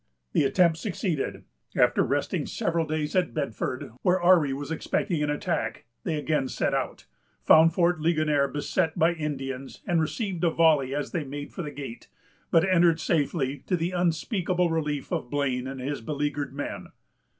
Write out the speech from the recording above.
The attempt succeeded. After resting several days at Bedford, where Ourry was expecting an attack, they again set out, found Fort Ligonier beset by Indians, and received a volley as they made for the gate; but entered safely, to the unspeakable relief of Blane and his beleaguered men.